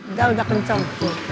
udah udah kenceng